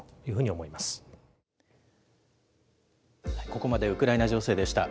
ここまでウクライナ情勢でした。